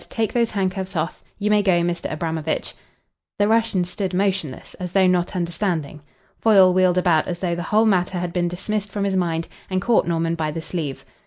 "Take those handcuffs off. You may go, Mr. Abramovitch." The Russian stood motionless, as though not understanding. Foyle wheeled about as though the whole matter had been dismissed from his mind, and caught Norman by the sleeve.